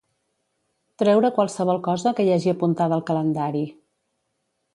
Treure qualsevol cosa que hi hagi apuntada al calendari.